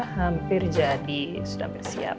hampir jadi sudah bersiap